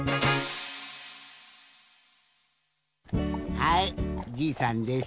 はいじいさんです。